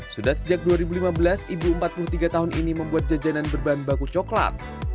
sudah sejak dua ribu lima belas ibu empat puluh tiga tahun ini membuat jajanan berbahan baku coklat